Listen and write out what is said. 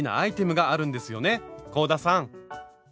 香田さん。